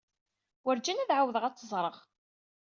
Werjin ad ɛawdeɣ ad tt-ẓreɣ.